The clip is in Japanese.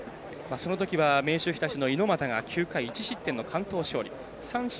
そのときは明秀日立の猪俣が９回１失点の完投勝利。